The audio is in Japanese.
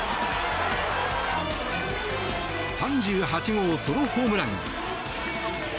３８号ソロホームラン！